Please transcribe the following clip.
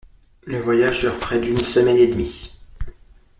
Le voyage dure près d'une semaine et demie.